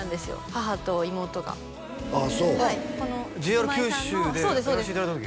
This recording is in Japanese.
母と妹があっＪＲ九州でやらせていただいた時？